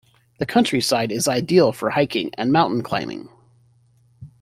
The countryside is ideal for hiking and mountain climbing.